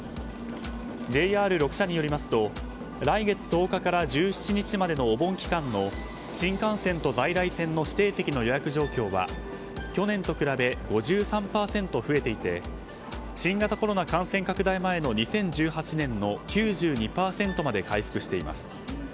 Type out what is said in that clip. ＪＲ６社によりますと来月１０日から１７日までのお盆期間の新幹線と在来線の指定席の予約状況は去年と比べ５３％増えていて新型コロナ感染拡大前の２０１８年の９２％まで回復しています。